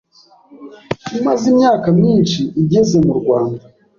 imaze imyaka myinshi igeze mu Rwanda